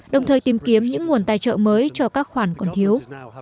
đồng thời tìm kiếm những nguồn tài trợ mới cho các khoản còn thiếu